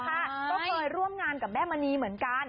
ก็เคยร่วมงานกับแม่มณีเหมือนกัน